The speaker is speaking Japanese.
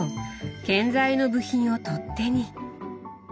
建材の部品を取っ手に。